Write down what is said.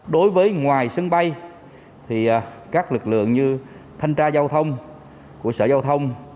đối với ngoài sân bay thì các lực lượng như thanh tra giao thông của sở giao thông